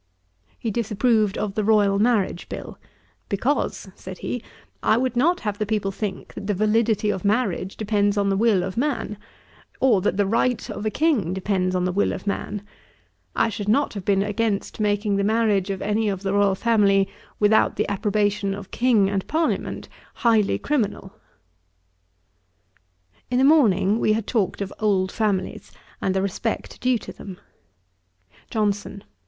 He disapproved of the Royal Marriage Bill; 'Because (said he) I would not have the people think that the validity of marriage depends on the will of man, or that the right of a King depends on the will of man. I should not have been against making the marriage of any of the royal family without the approbation of King and Parliament, highly criminal.' In the morning we had talked of old families, and the respect due to them. JOHNSON.